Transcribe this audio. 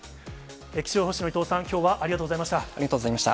気象予報士の伊藤さん、きょうはありがとうございました。